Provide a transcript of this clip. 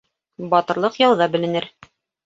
Батырлыҡ яуҙа беленер